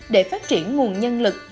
để phát triển nguồn nhân lực